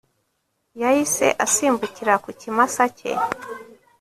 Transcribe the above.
yahise asimbukira ku kimasa cye